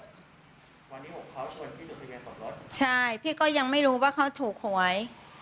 วันนี้หกเขาชนพี่จดทะเบียนสมรสใช่พี่ก็ยังไม่รู้ว่าเขาถูกหวย